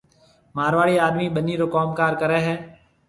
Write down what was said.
مارواڙي آڏمِي ٻنِي رو ڪوم ڪرَي ھيَََ